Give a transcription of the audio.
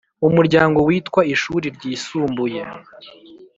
Umuryango witwa ishuri ryisumbuye